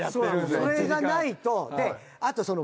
それがないとあとその。